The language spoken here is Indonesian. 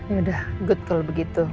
yaudah good kalau begitu